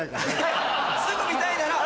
すぐ見たいなら。